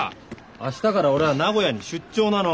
明日から俺は名古屋に出張なの。